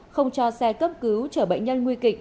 không cho xe cấp cứu chở bệnh nhân nguy kịch